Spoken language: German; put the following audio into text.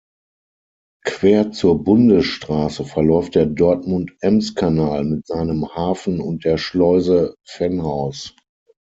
Quer zur Bundesstraße verläuft der Dortmund-Ems-Kanal mit seinem Hafen und der Schleuse Venhaus.